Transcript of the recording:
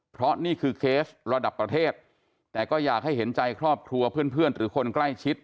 เพราะนี่คือเคสระดับประเทศแต่ก็อยากให้เห็นใจครอบครัวเพื่อนหรือคนใกล้ชิด